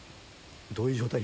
どういう状態？